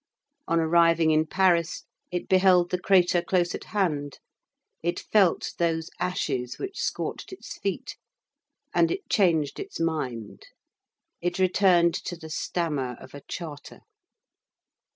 On arriving in Paris, it beheld the crater close at hand; it felt those ashes which scorched its feet, and it changed its mind; it returned to the stammer of a charter.